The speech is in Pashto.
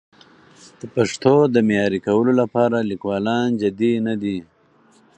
د پښتو د معیاري کولو لپاره لیکوالان جدي نه دي.